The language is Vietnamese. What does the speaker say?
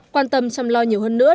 quan tâm chăm lo nhiều hơn nữa